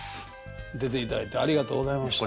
出ていただいてありがとうございました。